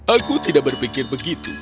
aku tidak berpikir begitu